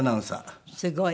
すごい。